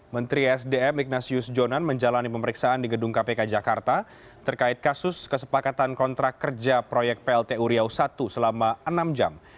menteri sdm ignatius jonan menjalani pemeriksaan di gedung kpk jakarta terkait kasus kesepakatan kontrak kerja proyek plt uriau i selama enam jam